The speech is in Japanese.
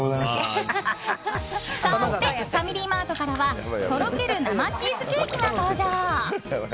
そしてファミリーマートからはとろける生チーズケーキが登場。